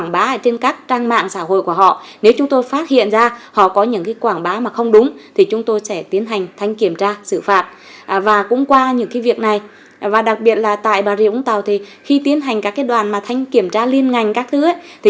bà địa vũng tàu khi tiến hành các đoàn kiểm tra liên ngành